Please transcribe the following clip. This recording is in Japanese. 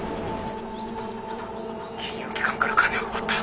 「金融機関から金を奪った」